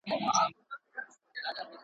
ستا شامت به مي په پاکو وینو کښېوزي.